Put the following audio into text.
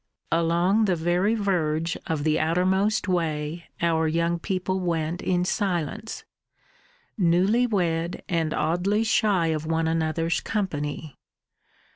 Along the very verge of the outermost way our young people went in silence, newly wed and oddly shy of one another's company.